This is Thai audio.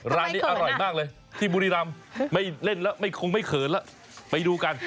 ร้านนี้อร่อยมากเลยที่บุรีรำไม่เล่นแล้วไม่คงไม่เขินแล้วไปดูกัน